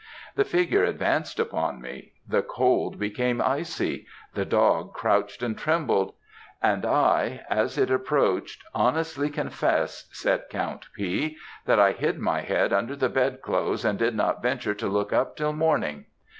The figure advanced upon me; the cold became icy; the dog crouched and trembled; and I, as it approached, honestly confess, said Count P., that I hid my head under the bed clothes and did not venture to look up till morning.